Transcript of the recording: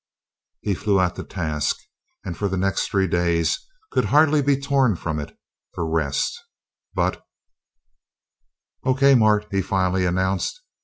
He flew at the task, and for the next three days could hardly be torn from it for rest; but "O. K., Mart," he finally announced.